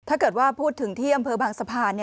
ถ้าเกิดว่าพูดถึงที่อำเภอบางสะพาน